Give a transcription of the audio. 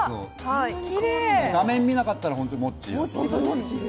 画面見なかったら本当にもっちー。